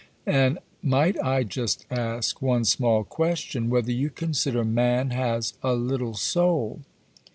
And might I just ask one small question: whether you consider man has a little soul?